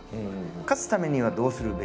勝つためにはどうするべきか。